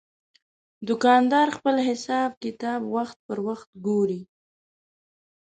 دوکاندار خپل حساب کتاب وخت پر وخت ګوري.